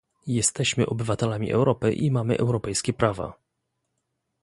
Jesteśmy obywatelami Europy i mamy europejskie prawa